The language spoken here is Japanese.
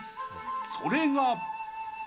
それが。